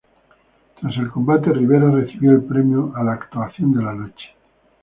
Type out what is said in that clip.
Tras el combate, Rivera recibió el premio a la "Actuación de la Noche".